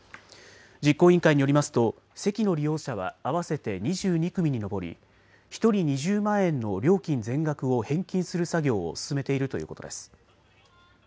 実行委員会によりますと席の利用者は合わせて２２組に上り１人２０万円の料金全額を返金する作業を進めているということです。